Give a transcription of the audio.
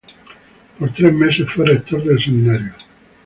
Por tres meses fue rector del seminario.